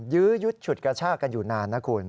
ยื้อยุดฉุดกระชากันอยู่นานนะคุณ